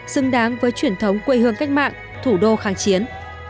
xứng đáng với truyền thống quê hương cách mạng thủ đô kháng chiến